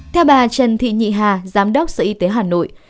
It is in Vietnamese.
theo bà trần thị nhị hà giám đốc sở y tế hà nội